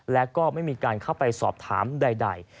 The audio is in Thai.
และก็ไม่มีการเข้าไปสอบถามใด